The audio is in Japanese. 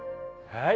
はい。